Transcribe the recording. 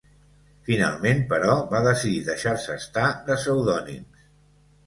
Finalment, però, va decidir deixar-se estar de pseudònims.